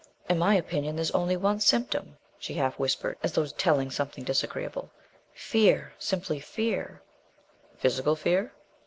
"In my opinion there's only one symptom," she half whispered, as though telling something disagreeable "fear simply fear." "Physical fear?"